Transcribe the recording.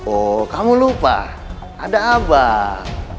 oh kamu lupa ada abah